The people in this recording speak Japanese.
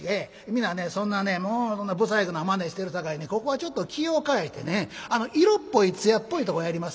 皆そんなねもう不細工なまねしてるさかいにここはちょっと気を変えてね色っぽい艶っぽいとこやります